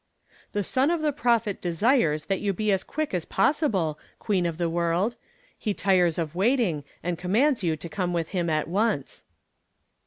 "The Son of the Prophet desires that you be as quick as possible, Queen of the World. He tires of waiting and commands you to come with him at once."